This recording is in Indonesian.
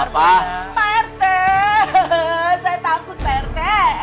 pak rete saya takut pak rete